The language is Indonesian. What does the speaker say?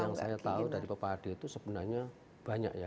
yang saya tahu dari bapak ade itu sebenarnya banyak ya